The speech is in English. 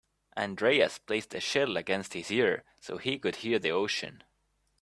Andreas placed the shell against his ear so he could hear the ocean.